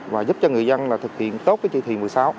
và giúp cho người dân là thực hiện tốt cái chỉ thị một mươi sáu